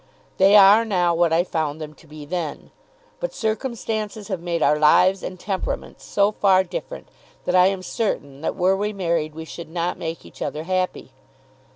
They are now what I found them to be then. But circumstances have made our lives and temperaments so far different, that I am certain that, were we married, we should not make each other happy.